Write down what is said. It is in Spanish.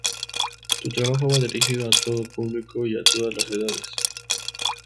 Su trabajo va dirigido a todo público y a todas las edades.